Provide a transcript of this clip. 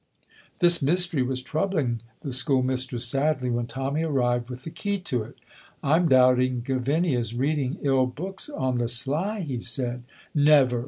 This mystery was troubling the school mistress sadly when Tommy arrived with the key to it. "I'm doubting Gavinia's reading ill books on the sly," he said. "Never!"